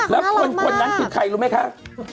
ดังนั้นคือใครรู้ไหมคะ